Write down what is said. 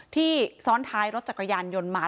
ที่ซ้อนท้ายรถจักรยานยนต์มา